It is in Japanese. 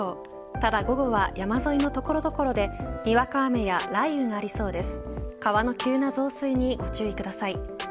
ただ、午後は山沿いの所々でにわか雨や雷雨がありそうです。